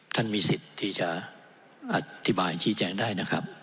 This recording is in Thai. ท่านมีสิทธิ์ที่จะอธิบายชี้แจงได้นะครับ